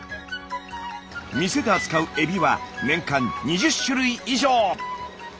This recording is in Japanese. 店で扱うエビは年間２０種類以上。